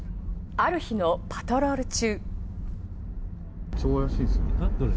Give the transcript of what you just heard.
ある日のパトロール中。